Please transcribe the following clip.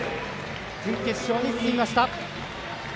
準決勝に進みました。